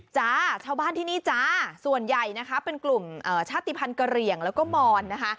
จ้าชาวบ้านที่นี่จ้าส่วนใหญ่นะคะเป็นกลุ่มชาติภัณฑ์กระเหลี่ยงแล้วก็มอนนะคะ